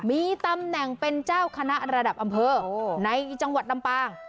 มีตำแหน่งเป็นเจ้าคณะระดับอำเภอในจังหวัดลำปาง